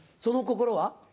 その心は？